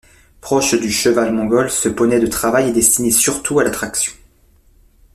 Proche du cheval mongol, ce poney de travail est destiné surtout à la traction.